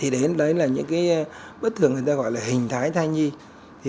đó là những bất thường gọi là hình thái thai nhi